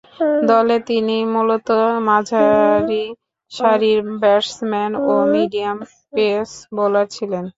দলে তিনি মূলতঃ মাঝারিসারির ব্যাটসম্যান ও মিডিয়াম পেস বোলার ছিলেন।